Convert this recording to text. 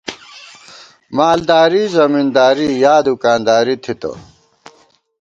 مالداری زمینداری یا دُکانداری تھِتہ